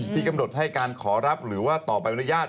กำหนดให้การขอรับหรือว่าต่อใบอนุญาต